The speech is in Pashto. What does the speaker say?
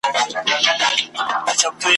هم د سرو هم جواهرو پیمانه وه !.